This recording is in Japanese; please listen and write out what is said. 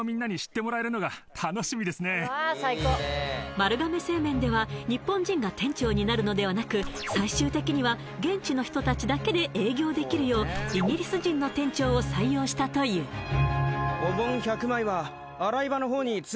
丸亀製麺では日本人が店長になるのではなく最終的には現地の人達だけで営業できるようイギリス人の店長を採用したというそうそう